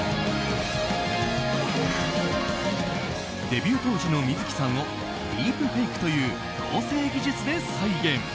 デビュー当時の観月さんをディープフェイクという合成技術で再現。